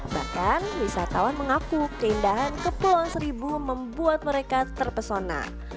bahkan wisatawan mengaku keindahan kepulauan seribu membuat mereka terpesona